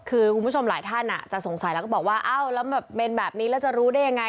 คือคุณผู้ชมหลายท่านจะสงสัยแล้วก็บอกว่าเอ้าแล้วแบบเป็นแบบนี้แล้วจะรู้ได้ยังไง